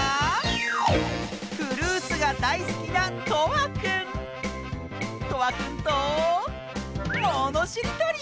フルーツがだいすきなとわくんとものしりとり！